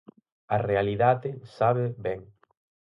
A realidade sabe ben.